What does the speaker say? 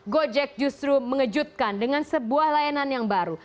gojek justru mengejutkan dengan sebuah layanan yang baru